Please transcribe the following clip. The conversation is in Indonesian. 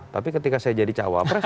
tapi ketika saya jadi cawapres